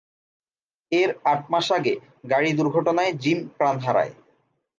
এর আট মাস আগে গাড়ি দুর্ঘটনায় জিম প্রাণ হারায়।